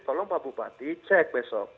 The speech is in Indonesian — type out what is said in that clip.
tolong pak bupati cek besok